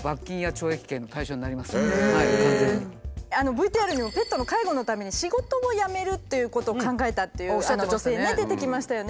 ＶＴＲにもペットの介護のために仕事を辞めるっていうことを考えたという女性ね出てきましたよね。